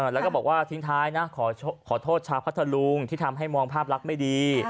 แล้วก็บอกว่าทิ้งท้ายนะขอโทษชาวพัทธรุงที่ทำให้มองภาพลักษณ์ไม่ดี